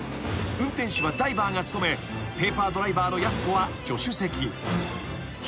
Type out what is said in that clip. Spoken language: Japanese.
［運転手はダイバーが務めペーパードライバーのやす子は助手席］